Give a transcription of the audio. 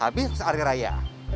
habis sehari raya